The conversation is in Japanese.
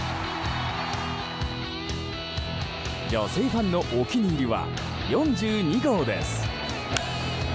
女性ファンのお気に入りは４２号です。